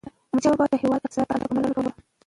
احمدشاه بابا د هیواد اقتصادي حالت ته پاملرنه کوله.